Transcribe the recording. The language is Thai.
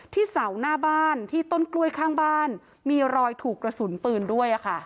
ที่เสาหน้าบ้านที่ต้นกล้วยข้างบ้านมีรอยถูกกระสุนปืนด้วย